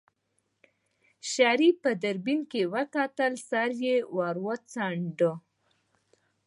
شريف په دوربين کې وکتل سر يې وڅنډه.